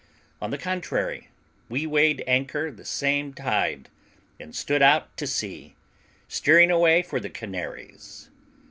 On the contrary, we weighed anchor the same tide, and stood out to sea, steering away for the Canaries.